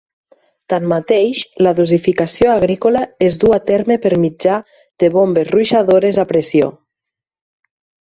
Tanmateix, la dosificació agrícola es duu a terme per mitjà de bombes ruixadores a pressió.